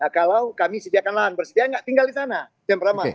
kalau kami sediakan lahan bersedia nggak tinggal di sana itu yang pertama